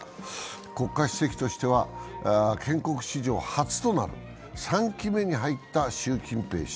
国家主席としては建国史上初となる３期目に入った習近平氏。